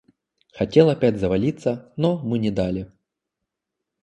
Хотел опять завалиться, но мы не дали.